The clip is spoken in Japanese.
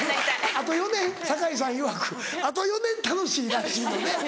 あと４年堺さんいわくあと４年楽しいらしいので。